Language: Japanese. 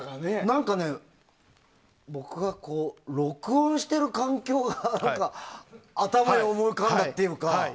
何かね、録音してる環境が頭に思い浮かんだっていうか。